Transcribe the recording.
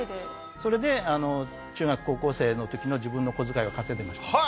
それで中学高校生の時の自分の小遣いは稼いでましたね。